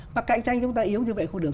mà cạnh tranh chúng ta yếu như vậy không được